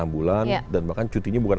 enam bulan dan bahkan cutinya bukan